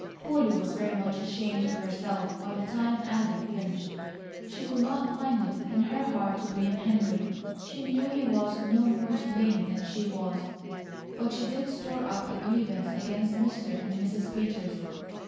Polly was very much ashamed of herself by the time Adam finished. She could not find it in her heart to blame Henry; she knew he was no more to blame than she was; but she did store up a grievance against Mr. and Mrs. Peters.